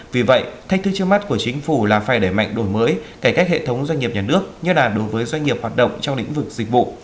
vì vậy thách thức trước mắt của chính phủ là phải đẩy mạnh đổi mới cải cách hệ thống doanh nghiệp nhà nước nhất là đối với doanh nghiệp hoạt động trong lĩnh vực dịch vụ